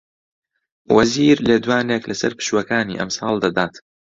وەزیر لێدوانێک لەسەر پشووەکانی ئەمساڵ دەدات